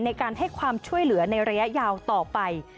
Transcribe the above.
ในการให้ความช่วยเหลือในระยะยาวต่อไป